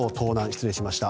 失礼しました。